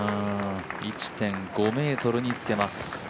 １．５ｍにつけます。